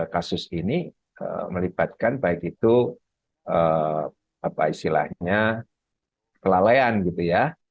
kasus ini melibatkan baik itu apa istilahnya kelalaian gitu ya